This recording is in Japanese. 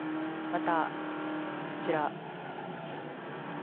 また、こちら。